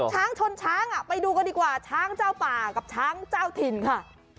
ช้างชนช้างไปดูกันดีกว่าช้างเจ้าป่ากับช้างเจ้าถิ่นค่ะ